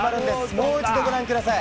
もう一度ご覧ください。